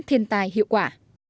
các thiên tai hiệu quả